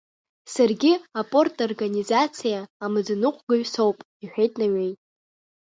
Саргьы апарторганизациа амаӡаныҟәгаҩ соуп, — иҳәеит Наҩеи.